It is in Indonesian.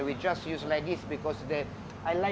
kami hanya menggunakan seperti ini